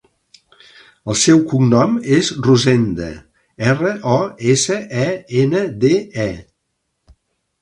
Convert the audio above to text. El seu cognom és Rosende: erra, o, essa, e, ena, de, e.